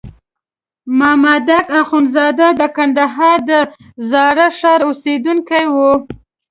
مامدک اخندزاده د کندهار د زاړه ښار اوسېدونکی وو.